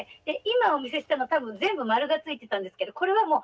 で今お見せしたのは多分全部○がついてたんですけどこれは